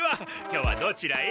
今日はどちらへ？